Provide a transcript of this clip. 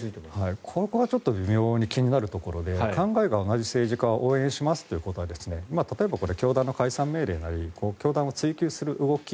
ここはちょっと微妙に気になるところで考えが同じ政治家を応援しますということは例えば教団の解散命令なり教団を追及する動き